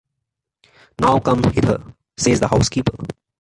"Now, come hither," says the housekeeper.